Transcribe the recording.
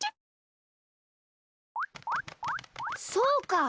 そうか！